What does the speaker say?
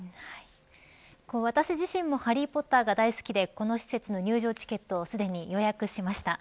私自身もハリー・ポッターが大好きで、この施設の入場チケットをすでに予約していました。